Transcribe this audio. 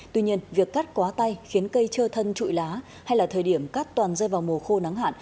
tuy nhiên việc cắt quá tay khiến cây trơ thân trụi lá hay là thời điểm cắt toàn rơi vào mùa khô nắng hạn